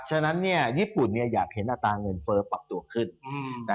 ฉะนั้นญี่ปุ่นอยากเห็นอัตราเงินเฟ้อปรับตัวขึ้น